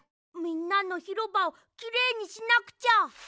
みんなのひろばをきれいにしなくちゃ。